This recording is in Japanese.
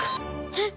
えっ？